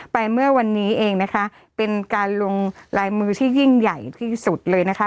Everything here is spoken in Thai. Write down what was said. เมื่อวันนี้เองนะคะเป็นการลงลายมือที่ยิ่งใหญ่ที่สุดเลยนะคะ